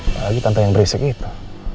apalagi tante yang berisik kita